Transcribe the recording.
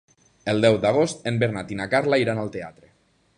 El deu d'agost en Bernat i na Carla iran al teatre.